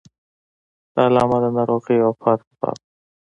د علامه د ناروغۍ او وفات په باب.